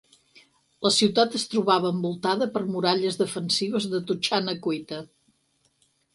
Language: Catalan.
La ciutat es trobava envoltada per muralles defensives de totxana cuita.